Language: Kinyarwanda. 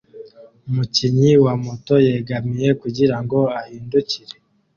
Umukinnyi wa moto yegamiye kugirango ahindukire